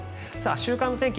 週間天気